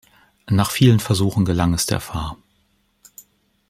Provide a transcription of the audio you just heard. Nach vielen Versuchen gelang es der Fa.